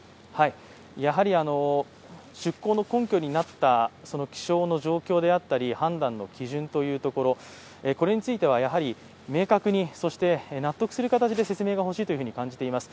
出航の根拠になった気象の状況であったり判断の基準というところ、これについては明確に、そして納得する形で説明が欲しいと感じています。